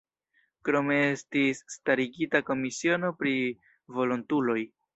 Krome estis starigita komisiono pri volontuloj.